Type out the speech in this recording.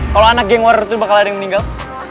kalau anak geng war itu bakal ada yang meninggal